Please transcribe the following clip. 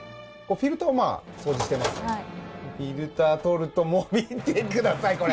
フィルター取るともう見てくださいこれ！